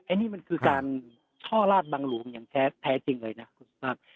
อันนี้มันคือการช่อลาดบังหลวงอย่างแท้จริงเลยนะคุณสุภาพ